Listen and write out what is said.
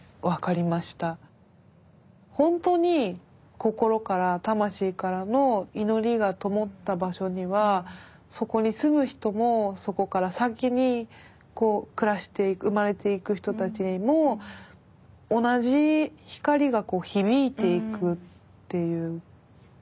本当に心から魂からの祈りがともった場所にはそこに住む人もそこから先に暮らしていく生まれていく人たちにも同じ光が響いていくっていうことなのかなって。